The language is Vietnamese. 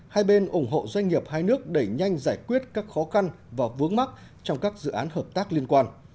hai bên ủng hộ doanh nghiệp hai nước đẩy nhanh giải quyết các khó khăn và vướng mắc trong các dự án hợp tác liên quan